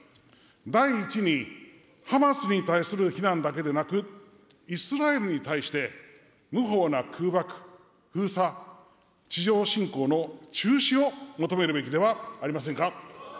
第１にハマスに対する非難だけでなく、イスラエルに対して、無法な空爆、封鎖、地上侵攻の中止を求めるべきではありませんか。